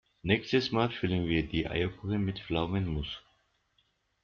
Nächstes Mal füllen wir die Eierkuchen mit Pflaumenmus.